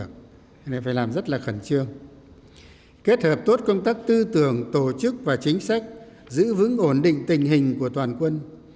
các tư tưởng tổ chức và chính sách giữ vững ổn định tình hình của toàn quân